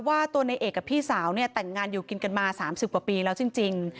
ว่าตัวในเอกกับพี่สาวเนี่ยแต่งงานอยู่กินกันมา๓๐กว่าปีแล้วจริง